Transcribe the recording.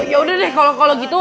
yaudah deh kalau gitu